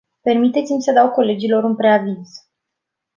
Permiteți-mi să dau colegilor un preaviz.